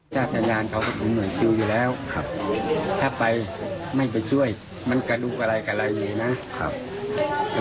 ถ้าสัญญาณเขาก็ถึงหน่วยชิวอยู่แล้วถ้าไปไม่ไปช่วยมันกระดูกอะไรกระดูกอะไรเลยนะ